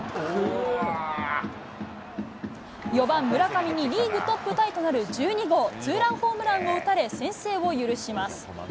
４番村上にリーグトップタイとなる１２号ツーランホームランを打たれ、先制を許します。